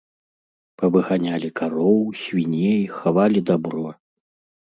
Павыганялі кароў, свіней, хавалі дабро.